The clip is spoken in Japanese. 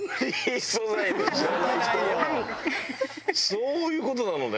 そういう事なのね。